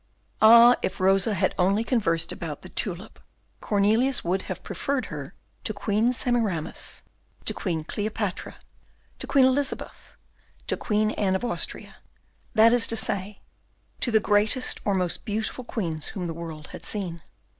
Ah! if Rosa had only conversed about the tulip, Cornelius would have preferred her to Queen Semiramis, to Queen Cleopatra, to Queen Elizabeth, to Queen Anne of Austria; that is to say, to the greatest or most beautiful queens whom the world has seen.